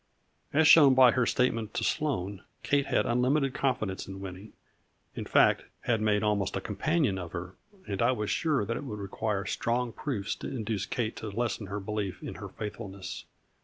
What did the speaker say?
As shown by her statement to Sloane, Kate had unlimited confidence in Winnie, in fact had made almost a companion of her, and I was sure that it would require strong proofs to in duce Kate to lessen her belief in her faithfulness.